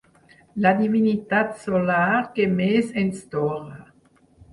La divinitat solar que més ens torra.